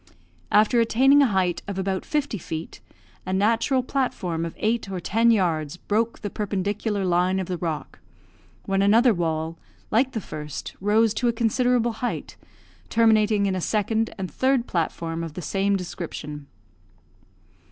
After attaining a height of about fifty feet, a natural platform of eight or ten yards broke the perpendicular line of the rock, when another wall, like the first, rose to a considerable height, terminating in a second and third platform of the same description.